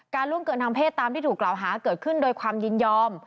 ล่วงเกินทางเพศตามที่ถูกกล่าวหาเกิดขึ้นโดยความยินยอม